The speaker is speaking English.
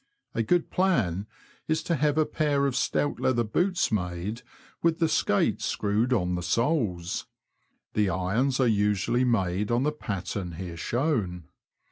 A good plan is to have a pair of stout leather boots made with the skate screwed on the soles. The irons are usually made on the pattern here shown.